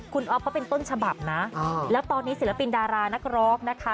คุณอ๊อฟเขาเป็นต้นฉบับนะแล้วตอนนี้ศิลปินดารานักร้องนะคะ